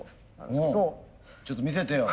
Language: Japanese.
ちょっと見せてよ。